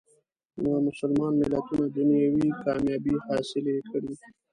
نامسلمان ملتونه دنیوي کامیابۍ حاصلې کړي.